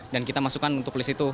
dan kita masukkan untuk list itu